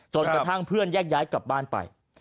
จนกระทั่งเพื่อนแยกย้ายกลับบ้านไป